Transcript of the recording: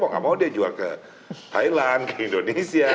kok nggak mau dia jual ke thailand ke indonesia